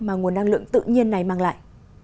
mà nguồn năng lượng tự nhiên này mang lại